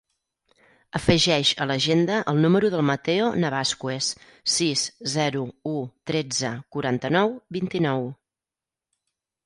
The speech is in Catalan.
Afegeix a l'agenda el número del Matteo Navascues: sis, zero, u, tretze, quaranta-nou, vint-i-nou.